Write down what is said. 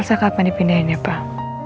masa kapan dipindahin ya pak